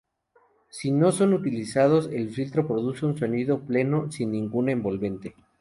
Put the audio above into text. Si no son utilizados, el filtro produce un sonido pleno sin ninguna envolvente.